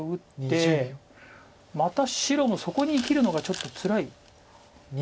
また白もそこに生きるのがちょっとつらい。